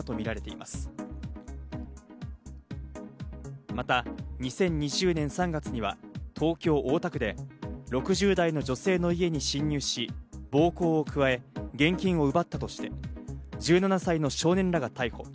また２０２０年３月には東京・大田区で６０代の女性の家に侵入し、暴行を加え、現金を奪ったとして、１７歳の少年らが逮捕。